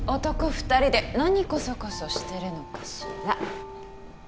二人で何コソコソしてるのかしら？